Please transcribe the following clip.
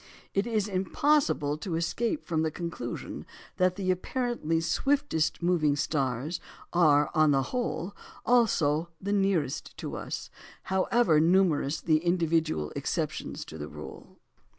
It is impossible to escape from the conclusion that the apparently swiftest moving stars are, on the whole, also the nearest to us, however numerous the individual exceptions to the rule.